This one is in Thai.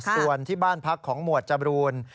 ส่วนที่บ้านพักของหมวดจบรูน